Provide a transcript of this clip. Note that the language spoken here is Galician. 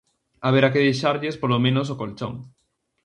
Haberá que deixarlles polo menos o colchón.